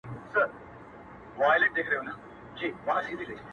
پر تېر سوى دئ ناورين د زورورو،